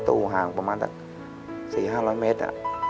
ตู้ห่างประมาณ๔๕๐๐เมตร